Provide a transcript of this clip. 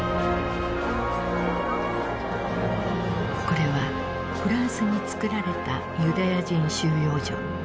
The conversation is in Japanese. これはフランスに作られたユダヤ人収容所。